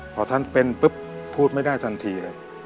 พอท่านเป็นปุ๊บพูดไม่ได้ทันทีเลย